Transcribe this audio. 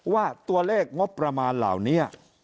ว่าตัวเลขงบประมาณเหล่านี้